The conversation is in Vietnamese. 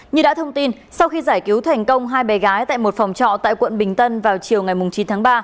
như đã thông tin sau khi giải cứu thành công hai bé gái tại một phòng trọ tại quận bình tân vào chiều ngày chín tháng ba